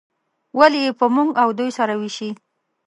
ولې یې په موږ او دوی سره ویشي.